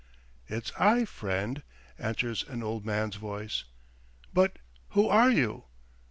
"It's I, friend ..." answers an old man's voice. "But who are you?"